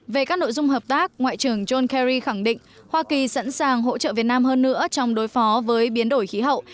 về các nội dung hợp tác ngoại trưởng john kerry khẳng định hoa kỳ sẵn sàng hỗ trợ việt nam hơn nữa trong đối phó với biến đổi khí hậu